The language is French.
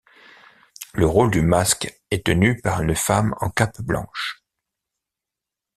Le rôle du masque est tenu par une femme en cape blanche.